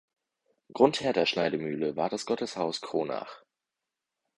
Grundherr der Schneidmühle war das Gotteshaus Kronach.